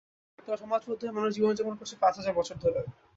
তবে সমাজবদ্ধ হয়ে মানুষ জীবন যাপন করছে পাঁচ হাজার বছর ধরে।